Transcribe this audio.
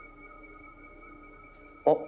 あっ！